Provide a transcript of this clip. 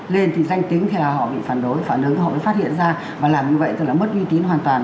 lên thì danh tính thì là họ bị phản đối phản ứng họ mới phát hiện ra và làm như vậy tức là mất uy tín hoàn toàn